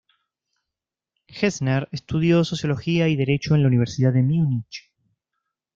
Gessner estudió Sociología y Derecho en la Universidad de Múnich.